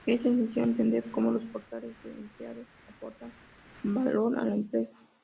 Es esencial entender como los portales de empleado aportan valor a la empresa.